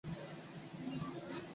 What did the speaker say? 这么做是为了避免负号的产生。